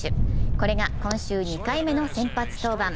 これが今週２回目の先発登板。